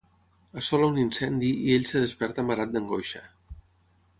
Assola un incendi i ell es desperta amarat d'angoixa.